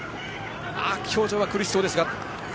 表情は苦しそうですが。